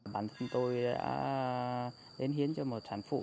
bản thân tôi đã đến hiến cho một sản phụ